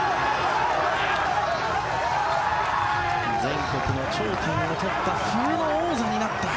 全国の頂点を取った冬の王者になった。